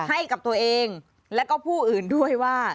ให้กับตัวเองแล้วก็ผู้อื่นด้วยว่า